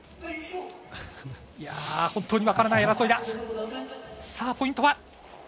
本当に分からない争いだ、さあポイントは？